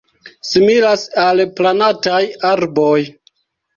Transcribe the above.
similas al platanaj arboj